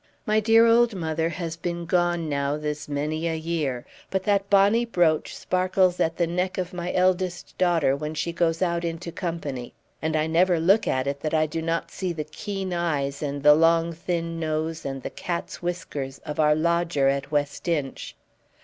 My dear old mother has been gone now this many a year, but that bonny brooch sparkles at the neck of my eldest daughter when she goes out into company; and I never look at it that I do not see the keen eyes and the long thin nose and the cat's whiskers of our lodger at West Inch.